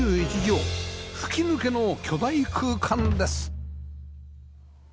吹き抜けの巨大空間です